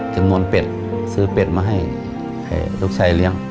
จำนวนเป็ดซื้อเป็ดมาให้ลูกชายเลี้ยง